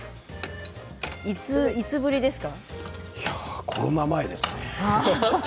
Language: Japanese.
いやコロナ前ですね。